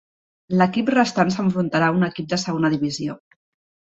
L'equip restant s'enfrontarà a un equip de Segona Divisió.